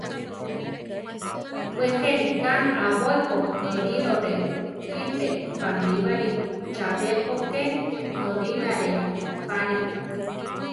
We je ríka abóipo norírore jipe bamíbari; chabé ko ké norínare pari.